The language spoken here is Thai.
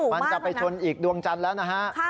มันจะไปชนอีกดวงจันทร์แล้วนะฮะ